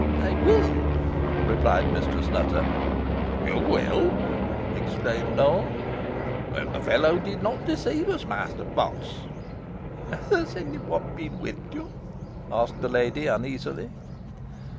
"I will," replied Mistress Nutter. "You will!" exclaimed Nowell. "Then the fellow did not deceive us, Master Potts." "Has any one been with you?" asked the lady, uneasily.